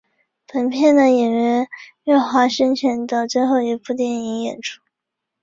本片是演员岳华生前的最后一部电影演出。